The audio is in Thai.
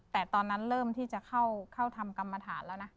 แต่ตอนนั้นเริ่มที่จะเข้าทำกรรมฐานแล้วนะ